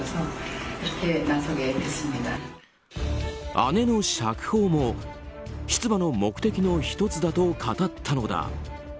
姉の釈放も出馬の目的の１つだと語ったのだ。